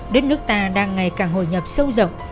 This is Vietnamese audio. đến nước ta đang ngày càng hồi nhập sâu rộng